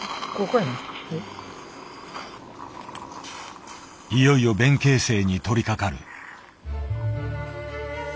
いよいよ弁形成に取りかかる。